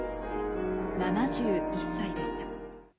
７１歳でした。